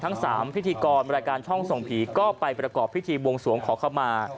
ทั้ง๓พิธีกรรายการช่องส่องผีก็ไปประกอบพิธีบวงสวงขอเข้ามา